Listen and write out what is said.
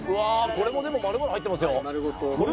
これもでも丸ごと入ってますよ。